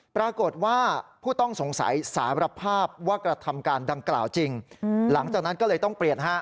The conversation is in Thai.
ปรากฏว่าผู้ต้องสงสัยสารภาพว่ากระทำการดังกล่าวจริงหลังจากนั้นก็เลยต้องเปลี่ยนฮะ